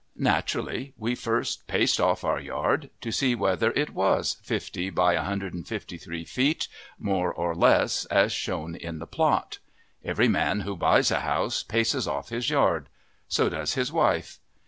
Naturally, we first paced off our yard, to see whether it was 50 by 153 feet, more or less, as shown in the plot. Every man who buys a house paces off his yard. So does his wife.